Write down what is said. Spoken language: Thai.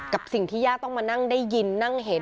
กับสิ่งที่ย่าต้องมานั่งได้ยินนั่งเห็น